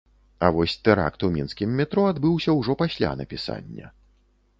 А вось тэракт у мінскім метро адбыўся ўжо пасля напісання.